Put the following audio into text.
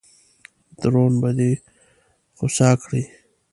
درون به دې خوسا کړي.